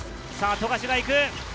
富樫が行く。